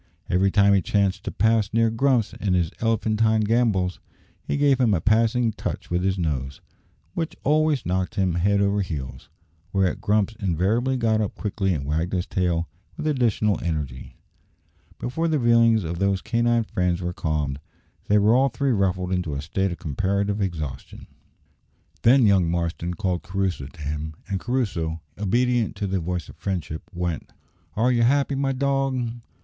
Every time he chanced to pass near Grumps in his elephantine gambols, he gave him a passing touch with his nose, which always knocked him head over heels; whereat Grumps invariably got up quickly and wagged his tail with additional energy. Before the feelings of those canine friends were calmed, they were all three ruffled into a state of comparative exhaustion. Then young Marston called Crusoe to him, and Crusoe, obedient to the voice of friendship, went. "Are you happy, my dog?"